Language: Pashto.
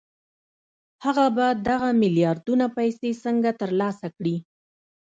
هغه به دغه ميلياردونه پيسې څنګه ترلاسه کړي؟